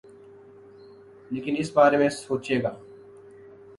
لیکن اس بارے میں سوچے گا۔